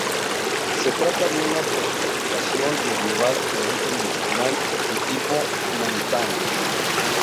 Se trata de una fortificación medieval de origen musulmán y tipo montano.